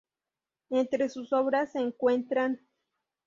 Entre sus obras se encuentran